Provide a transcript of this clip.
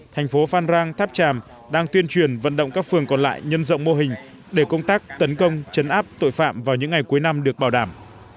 thành phố phan rang tháp tràm đang tuyên truyền vận động các phường còn lại nhân rộng mô hình để công tác tấn công chấn áp tội phạm vào những ngày cuối năm được bảo đảm